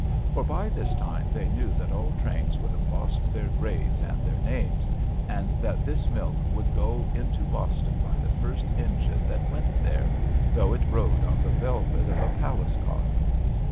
For by this time they knew that all trains would have lost their grades and their names, and that this milk would go into Boston by the first engine that went there, though it rode on the velvet of a palace car.